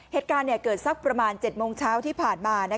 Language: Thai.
เหตุการณ์เกิดสักประมาณ๗โมงเช้าที่ผ่านมา